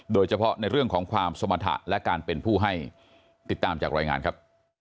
โดยเฉพาะในเรื่องของความสมรรถะและการเป็นผู้ให้ติดตามจากรายงานครับ